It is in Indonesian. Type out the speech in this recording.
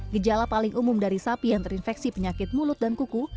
gejala paling umum dari sapi yang terinfeksi penyakit mulut dan kuku